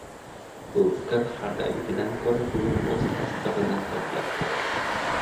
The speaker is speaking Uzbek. Bu fikr har doimgidan koʻra bugun oʻz tasdigʻini topyapti